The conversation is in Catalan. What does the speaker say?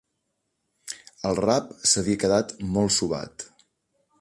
El rap s'havia quedat molt sobat.